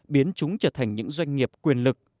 biến chúng trở thành những doanh nghiệp quyền lực